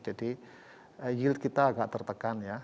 jadi yield kita agak tertekan ya